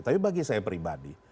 tapi bagi saya pribadi